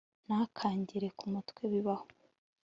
ntakangere ku mutwe bibaho